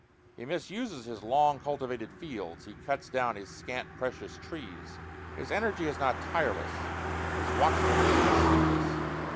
He misuses his long cultivated fields; he cuts down his scant, precious trees. His energy is not tireless, his watchfulness not sleepless.